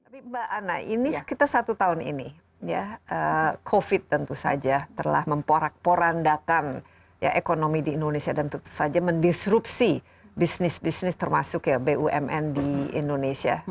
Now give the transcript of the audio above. mbak ana kita satu tahun ini covid tentu saja telah memporandakan ekonomi di indonesia dan tentu saja mendisrupsi bisnis bisnis termasuk bumn di indonesia